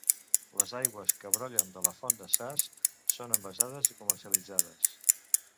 Les aigües que brollen de la font de Sas són envasades i comercialitzades.